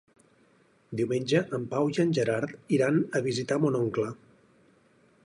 Diumenge en Pau i en Gerard iran a visitar mon oncle.